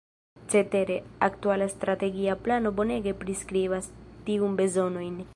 Cetere, aktuala Strategia Plano bonege priskribas tiun bezonojn.